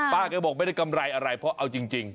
ป้าแกบอกไม่ได้กำไรอะไรเพราะเอาจริง